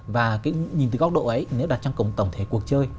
và nhìn từ góc độ ấy nếu đặt trong tổng thể cuộc chơi